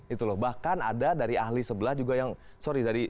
itu loh bahkan ada dari ahli sebelah juga yang sorry